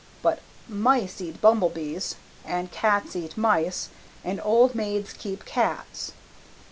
But mice eat bumble bees and cats eat mice and old maids keep cats.